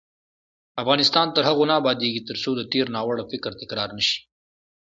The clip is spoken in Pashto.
افغانستان تر هغو نه ابادیږي، ترڅو د تیر ناوړه فکر تکرار نشي.